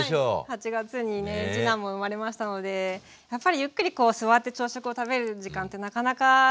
８月にね次男も生まれましたのでやっぱりゆっくりこう座って朝食を食べる時間ってなかなかなくて。